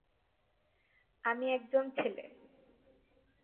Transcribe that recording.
আমি একজন ছেলে।